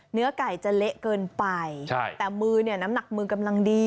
เนื้อไก่จะเละเกินไปแต่มือหนักมือกำลังดี